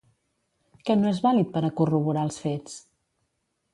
Què no és vàlid per a corroborar els fets?